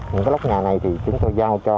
những cái lốc nhà này thì chúng tôi giao cho